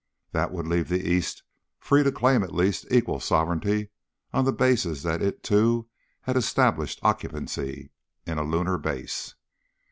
That would leave the East free to claim at least equal sovereignty on the basis that it, too, had established occupancy in a lunar base.